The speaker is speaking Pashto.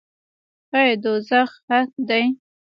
آیا دوزخ حق دی؟